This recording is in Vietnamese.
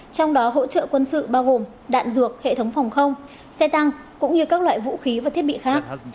trong đó hỗ trợ quân sự bao gồm đạn ruột hệ thống phòng không xe tăng cũng như các loại vũ khí và thiết bị khác